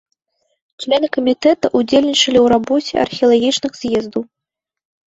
Члены камітэта ўдзельнічалі ў рабоце археалагічных з'ездаў.